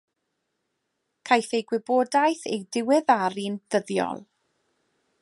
Caiff ei gwybodaeth ei diweddaru'n ddyddiol.